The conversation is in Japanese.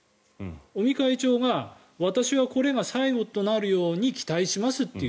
尾身会長が私はこれが最後となるように期待しますという。